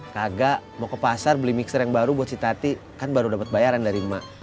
kagak mau ke pasar beli mixer yang baru buat si tati kan baru dapat bayaran dari mak